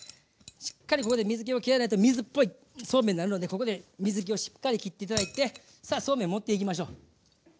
しっかりここで水けをきらないと水っぽいそうめんになるのでここで水けをしっかりきって頂いてさあそうめん盛っていきましょう。